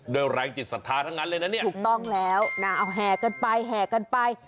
ได้แรงจิตศาสน์ทั้งงานเลยนะเนี่ยพูดถูกแล้วแห่กันไปแห่กันไป